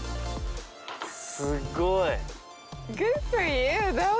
すごい！